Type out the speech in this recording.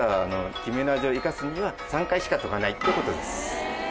黄身の味を生かすには３回しか溶かないってことです。